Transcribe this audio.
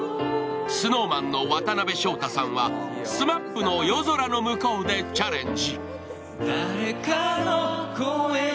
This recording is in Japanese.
ＳｎｏｗＭａｎの渡辺翔太さんはＳＭＡＰの「夜空ノムコウ」でチャレンジ。